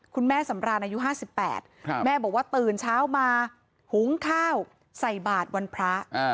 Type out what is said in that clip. ข้าวใส่บาทวันพระ